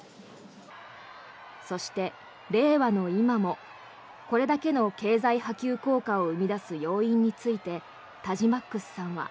そして、令和の今もこれだけの経済波及効果を生み出す要因についてＴａｊｉｍａｘさんは。